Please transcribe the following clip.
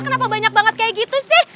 kenapa banyak banget kayak gitu sih